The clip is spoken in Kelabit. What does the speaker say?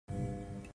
No audio.